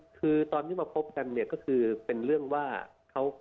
คือตอนที่มาพบกันเนี่ยก็คือเป็นเรื่องว่าเขา